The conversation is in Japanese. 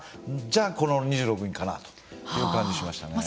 じゃあこの２６人かなという感じしましたね。